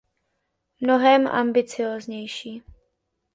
Mnohem ambicióznější.